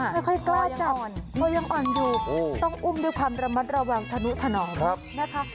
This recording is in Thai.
ไม่ค่อยกล้าจับต้องอุ้มด้วยความระมัดระหว่างธนุธนองนะครับ